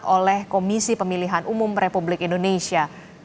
oleh komisi pemilihan umum republik indonesia